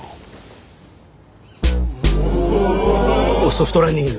ソフトランニング。